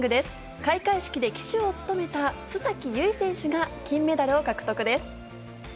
開会式で旗手を務めた須崎優衣選手が金メダルを獲得です。